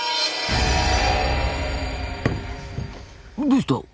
どうした？